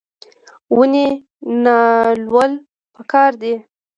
ونې نالول پکار دي